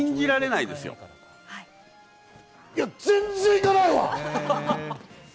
いや、全然行かないわ。